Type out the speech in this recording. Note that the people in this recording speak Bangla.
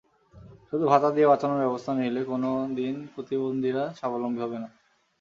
শুধু ভাতা দিয়ে বাঁচানোর ব্যবস্থা নিলে কোনো দিন প্রতিবন্ধীরা স্বাবলম্বী হবে না।